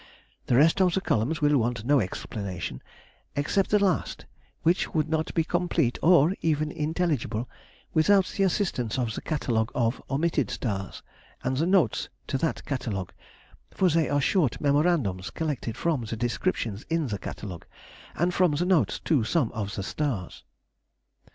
The rest of the columns will want no explanation, except the last, which would not be complete, or even intelligible, without the assistance of the catalogue of omitted stars, and the notes to that catalogue, for they are short memorandums collected from the descriptions in the catalogue, and from the notes to some of the stars.